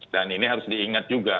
dan ini harus diingat juga